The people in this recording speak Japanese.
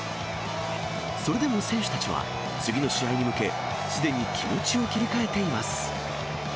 それでも選手たちは次の試合に向け、すでに気持ちを切り替えています。